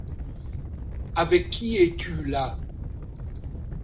Avec qui es-tu là?